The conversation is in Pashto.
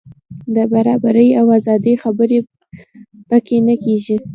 د برابرۍ او ازادۍ خبرې په کې نه کېږي.